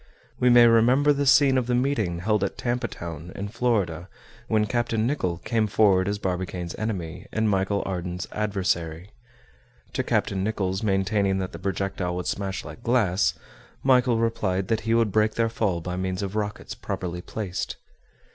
We may remember the scene of the meeting held at Tampa Town, in Florida, when Captain Nicholl came forward as Barbicane's enemy and Michel Ardan's adversary. To Captain Nicholl's maintaining that the projectile would smash like glass, Michel replied that he would break their fall by means of rockets properly placed.